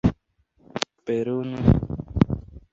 Junto al tecladista de Elbow, Craig Potter.